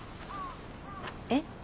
えっ？